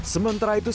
sementara itu semuanya